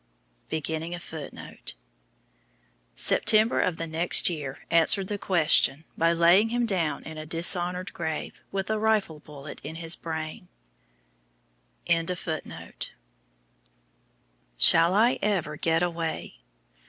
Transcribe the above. September of the next year answered the question by laying him down in a dishonored grave, with a rifle bullet in his brain. Shall I ever get away?